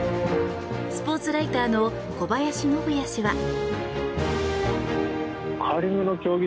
スポーツライターの小林信也氏は。